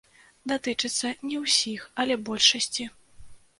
Датычыцца не ўсіх, але большасці.